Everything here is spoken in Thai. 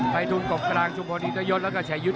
ไภทุนกบกลางชุมพนิตยศแล้วก็แชร์ยุทธ์